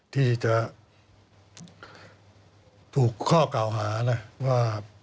ที่จะบุกข้อเก่าหานะ